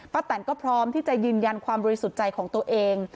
แตนก็พร้อมที่จะยืนยันความบริสุทธิ์ใจของตัวเอง